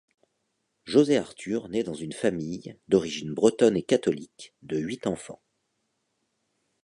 José Artur naît dans une famille, d'origine bretonne et catholique, de huit enfants.